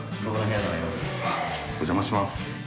お邪魔します。